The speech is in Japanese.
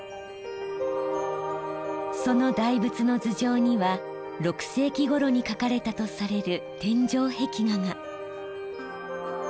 その大仏の頭上には６世紀ごろに描かれたとされる天井壁画が。